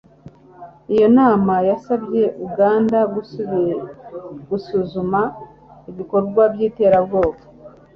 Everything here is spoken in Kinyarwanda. iyo nama yasabye uganda gusuzuma ibikorwa by'iterabwoba